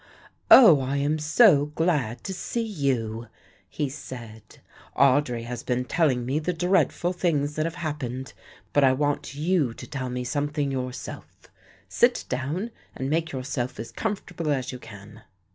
"Oh, I am so glad to see you," he said; "Audry has been telling me the dreadful things that have happened, but I want you to tell me something yourself. Sit down and make yourself as comfortable as you can."